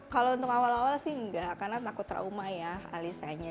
kalau untuk awal awal sih enggak karena takut trauma ya alisanya